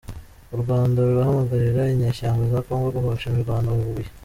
U Rwanda rurahamagarira inyeshyamba za congo guhosha imirwano bubuye